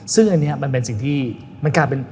ซึ่งอันนี้มันเป็นสิ่งที่มันกลายเป็น